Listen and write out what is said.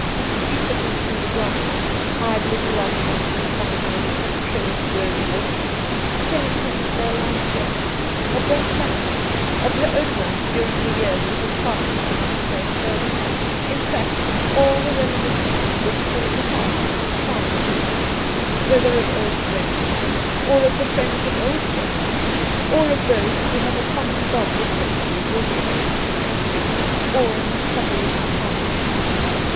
She took him through the grounds, idling along amongst the summerhouses and trellised rose walks, telling him of their life there, of their plans, of her own life during the years that had passed since he first heard of her — ^in fact, all the reminiscences which form the heart, and charm of the meeting, whether of old Mends, or of the friends of old fiiends, or of those who have a common bond of sympathy wrought in a distant country or in a troublous time.